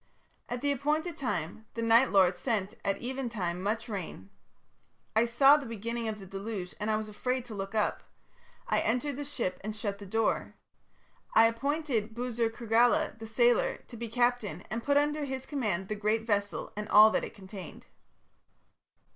"At the appointed time the Night Lord sent at even time much rain. I saw the beginning of the deluge and I was afraid to look up. I entered the ship and shut the door. I appointed Buzur Kurgala, the sailor, to be captain, and put under his command the great vessel and all that it contained.